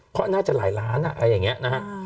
เพราะน่าจะหลายล้านอะไรอย่างนี้นะฮะ